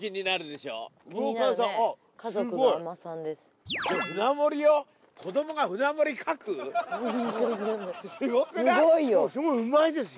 しかもすごいうまいですよ。